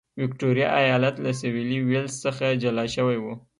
ویکټوریا ایالت له سوېلي ویلز څخه جلا شوی و.